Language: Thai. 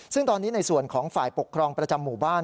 ซึ่งตอนนี้ในส่วนของฝ่ายปกครองประจำหมู่บ้าน